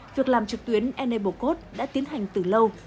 việc làm trực tuyến enablecode đã tiến hành từ lâu